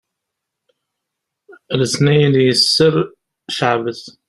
letniyen yesser ceɛbet